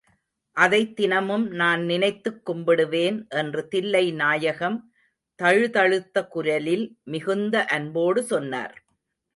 அதைத் தினமும் நான் நினைத்துக் கும்பிடுவேன் என்று தில்லை நாயகம் தழுதழுத்த குரலில் மிகுந்த அன்போடு சொன்னார்.